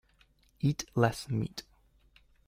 Eat less meat.